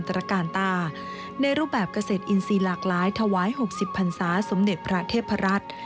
ตรกาลตาในรูปแบบเกษตรอินทรีย์หลากล้ายถวายหกสิบพันธุ์ร้าสมเด็จพระเทพรันต์